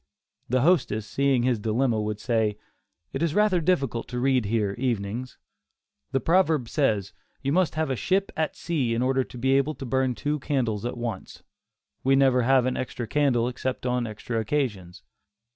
The hostess, seeing his dilemma, would say: "It is rather difficult to read here evenings; the proverb says 'you must have a ship at sea in order to be able to burn two candles at once;' we never have an extra candle except on extra occasions."